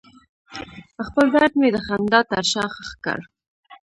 خپل درد مې د خندا تر شا ښخ کړ.